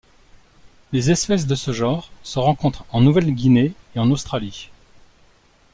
Les espèces de ce genre se rencontrent en Nouvelle-Guinée et en Australie.